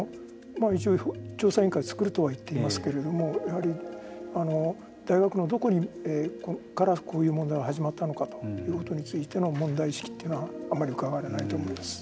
一応調査委員会を作るとは言っていますけどもやはり、大学のどこからこういう問題が始まったのかということについての問題意識というのはあんまりうかがわれないと思うんです。